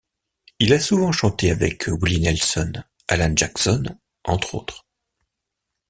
Il a souvent chanté avec Willie Nelson, Alan Jackson, entre autres.